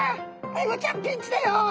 アイゴちゃんピンチだよ！